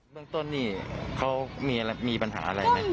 เรื่องต้นนี่เขามีปัญหาอะไรไหม